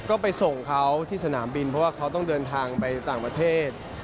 ก็ไปส่งเขาที่สนามบินเพราะว่าเขาต้องเดินทางไปต่างประเทศ